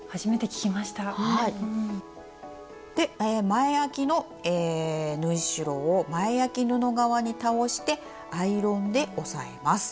前あきの縫い代を前あき布側に倒してアイロンで押さえます。